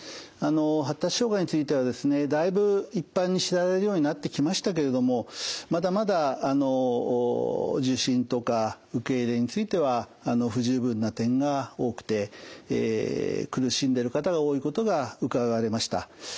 発達障害についてはですねだいぶ一般に知られるようになってきましたけれどもまだまだ受診とか受け入れについては不十分な点が多くて苦しんでる方が多いことがうかがわれました。